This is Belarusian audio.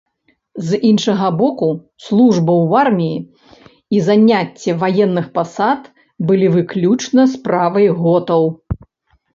З іншага боку, служба ў арміі і заняцце ваенных пасад былі выключна справай готаў.